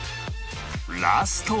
ラストは